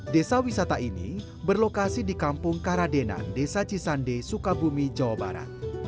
desa wisata ini berlokasi di kampung karadenan desa cisande sukabumi jawa barat